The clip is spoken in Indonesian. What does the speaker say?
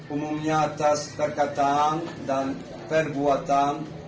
umumnya atas perkataan dan perbuatan